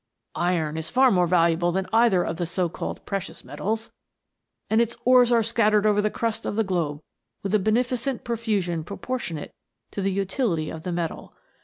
" Iron is far more valuable than either of the so called precious metals, and its ores are scattered over the crust of the globe with a beneficent profu sion proportionate to the utility of the metal.